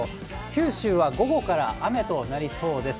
九州は午後から雨となりそうです。